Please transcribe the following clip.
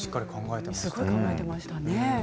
すごい考えていましたね。